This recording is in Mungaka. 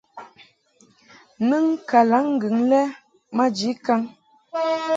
Nɨŋ kalaŋŋgɨŋ lɛ maji kaŋ.